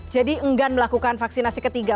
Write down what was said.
jadi enggan melakukan vaksinasi ketiga